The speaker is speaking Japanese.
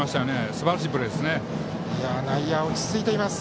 すばらしいプレーです。